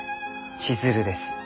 千鶴です。